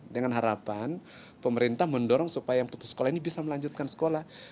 dengan harapan pemerintah mendorong supaya yang putus sekolah ini bisa melanjutkan sekolah